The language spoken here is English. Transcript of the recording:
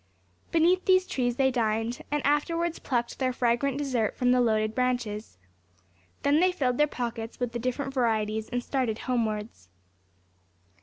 Beneath these trees they dined, and afterwards plucked their fragrant dessert from the loaded branches. Then they filled their pockets with the different varieties, and started homewards.